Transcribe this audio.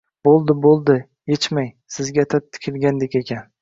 “Bo’ldi-bo’ldi yechmang, Sizga atab tikilgandek ekan.